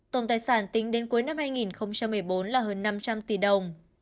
tổng tài sản tính đến cuối năm hai nghìn một mươi bốn là hơn năm trăm linh tỷ đồng